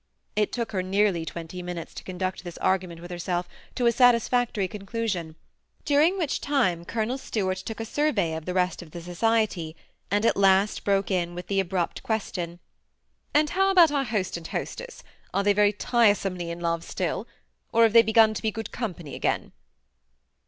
It took her nearly twenty min utes to conduct this argument with herself to a satis factory conclusion, during which time Colonel Stuart took a survey of the rest of the society, and at last broke in with the abrupt question, '^And how about our host and hostess? Are they very tiresomely in THE SEMI ATTACHED COUPLE, 187 love still? or have they begun to be good company again